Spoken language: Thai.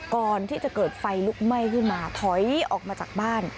ก่อนที่จะเกิดไฟลุกไหม้ขึ้นมาถอยออกมาจากบ้าน